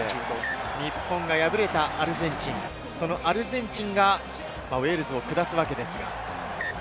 日本が敗れたアルゼンチン、そのアルゼンチンがウェールズを下すわけです。